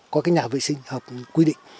có cái nhà vệ sinh họ cũng quy định